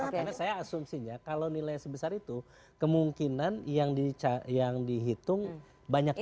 karena saya asumsinya kalau nilai sebesar itu kemungkinan yang dihitung banyak yang